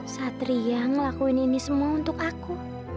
satria ngelakuin ini semua untuk aku